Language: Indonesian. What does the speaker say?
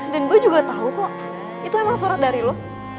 dan gue juga tau kok itu emang surat dari lo